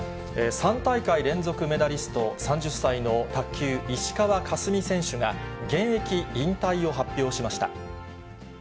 ３大会連続メダリスト、３０歳の卓球、石川佳純選手が、現役引退を発表しました。